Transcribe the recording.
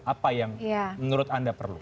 apa yang menurut anda perlu